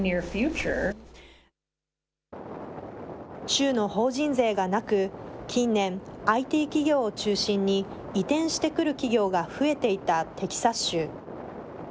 州の法人税がなく、近年、ＩＴ企業を中心に移転してくる企業が増えていたテキサス州。